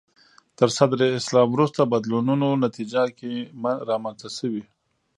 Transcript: تر صدر اسلام وروسته بدلونونو نتیجه کې رامنځته شوي